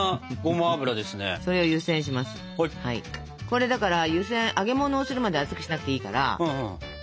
これだから湯せん揚げものをするまで熱くしなくていいから。